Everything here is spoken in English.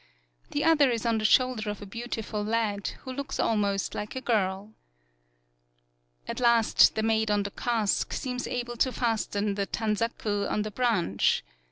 The other is on the shoulder of a beautiful lad, who looks almost like a girl. At last the maid on the cask seems able to fasten the Tanzaku on the branch.